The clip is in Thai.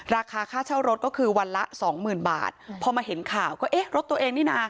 ราคาค่าเช่ารถก็คือวันละสองหมื่นบาทพอมาเห็นข่าวก็เอ๊ะรถตัวเองนี่นะ